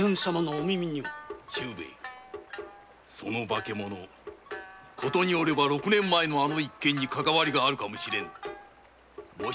化け物は事によれば六年前のあの一件にかかわりがあるかも知れぬ。